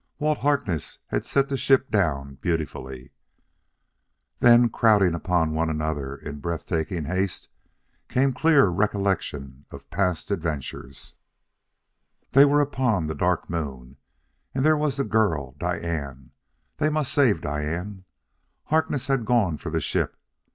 Walt Harkness had set the ship down beautifully Then, crowding upon one another in breath taking haste, came clear recollection of past adventures: They were upon the Dark Moon and there was the girl, Diane. They must save Diane. Harkness had gone for the ship.